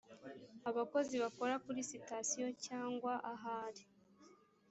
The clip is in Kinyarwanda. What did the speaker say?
abakozi bakora kuri sitasiyo cyangwa ahari